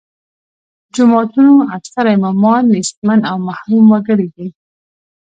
جوماتونو اکثره امامان نیستمن او محروم وګړي دي.